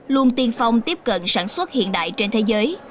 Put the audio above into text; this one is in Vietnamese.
luôn tiên phong tiếp cận sản xuất hiện đại trên thế giới